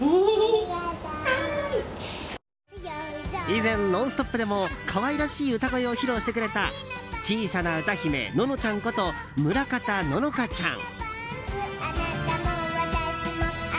以前、「ノンストップ！」でも可愛らしい歌声を披露してくれた小さな歌姫ののちゃんこと村方乃々佳ちゃん。